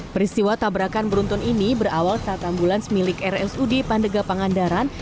peristiwa tabrakan beruntun ini berawal saat ambulans milik rsud pandega pangandaran